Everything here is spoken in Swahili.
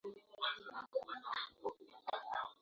Mwendo wake ni wa kobe.